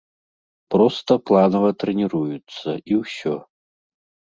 Проста планава трэніруюцца і ўсё.